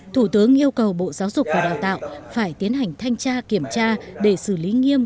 thủ tướng yêu cầu bộ giáo dục và đào tạo phải tiến hành thanh tra kiểm tra để xử lý nghiêm